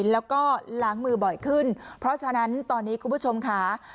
แล้วก็ล้างมือบ่อยขึ้นเพราะฉะนั้นตอนนี้คุณผู้ชมค่ะ